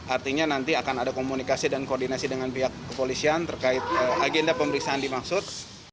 artinya nanti akan ada komunikasi dan koordinasi dengan pihak kepolisian terkait agenda pemeriksaan dimaksud